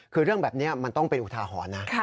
คือเรื่องแบบนี้มันต้องเป็นอุทาหรณ์นะ